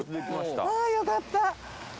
あぁよかった。